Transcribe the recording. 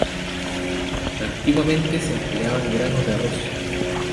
Antiguamente se empleaban granos de arroz.